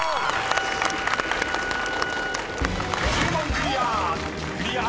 ［１０問クリア！